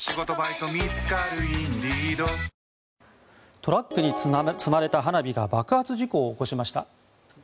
トラックに積まれた花火が爆発事故を起こしました。